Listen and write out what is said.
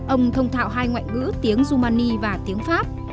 ông thông thạo hai ngoại ngữ tiếng rumani và tiếng pháp